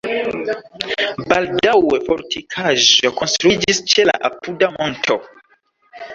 Baldaŭe fortikaĵo konstruiĝis ĉe la apuda monto.